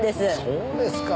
そうですか。